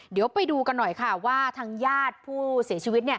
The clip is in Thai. เดี๋ยวไปดูกันหน่อยค่ะว่าทางญาติผู้เสียชีวิต